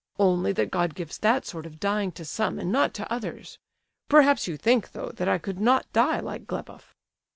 "Only that God gives that sort of dying to some, and not to others. Perhaps you think, though, that I could not die like Gleboff?"